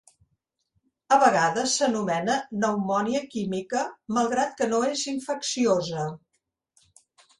A vegades s'anomena "pneumònia química", malgrat que no és infecciosa.